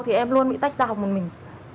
thì em luôn bị tách ra học một mình